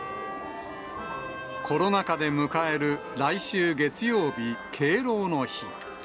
コロナ禍で迎える来週月曜日、敬老の日。